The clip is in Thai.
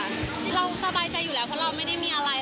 เราสบายใจอยู่แล้วเพราะเราไม่ได้มีอะไร